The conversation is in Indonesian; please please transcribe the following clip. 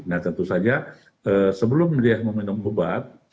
nah tentu saja sebelum dia meminum obat